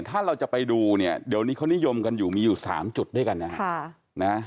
ถ้าเราจะไปดูเนี่ยเดี๋ยวนี้เขานิยมกันอยู่มีอยู่๓จุดด้วยกันนะฮะ